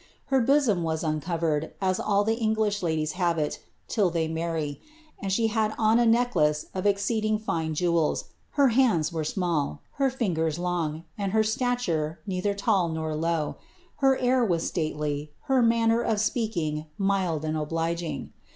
Her bosom was uncovered, u all the English ladies have it, till they marry ; and she had on a neck lace, of exceeding fine jewels; her hands were small; her fingers long; and her stature neither tall nor low ; her air was stately ; her manner of speaking mild and obliging.